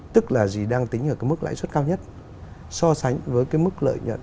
tức là gì đang tính ở mức lãi suất cao nhất so sánh với mức lợi nhận